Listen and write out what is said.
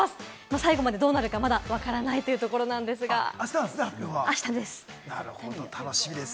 最後までどうなるか、まだわからないというところなんですが、発表は明日なんですね、楽しみです。